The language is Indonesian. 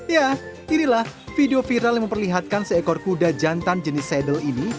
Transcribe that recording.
ya inilah video viral yang memperlihatkan seekor kuda jantan jenis sedel ini